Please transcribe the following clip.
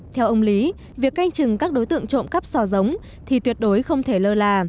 theo ông lý việc canh chừng các đối tượng trộm cắp sò giống thì tuyệt đối không thể lơ là